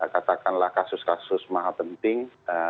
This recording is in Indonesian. katakanlah kasus kasus maha penting